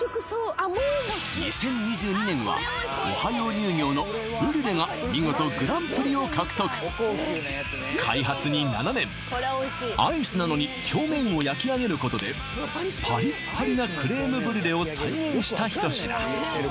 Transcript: ２０２２年はオハヨー乳業のＢＲＵＬＥＥが見事開発に７年アイスなのに表面を焼き上げることでパリパリなクレームブリュレを再現した一品